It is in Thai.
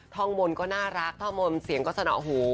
ท่องบนก็น่ารักท่องมนต์เสียงก็สนอหู